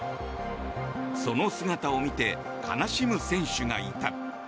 その姿を見て悲しむ選手がいた。